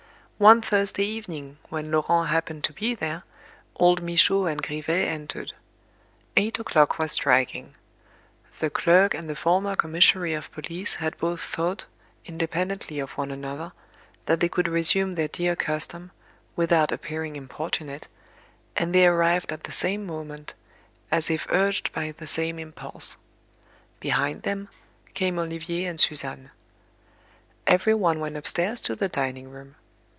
One Thursday evening, when Laurent happened to be there, old Michaud and Grivet entered. Eight o'clock was striking. The clerk and the former commissary of police had both thought, independently of one another, that they could resume their dear custom, without appearing importunate, and they arrived at the same moment, as if urged by the same impulse. Behind them, came Olivier and Suzanne. Everyone went upstairs to the dining room.